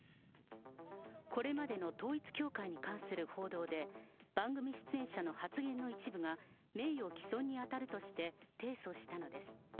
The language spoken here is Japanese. これまでの統一教会に関する報道で、番組出演者の発言の一部が、名誉毀損に当たるとして提訴したのです。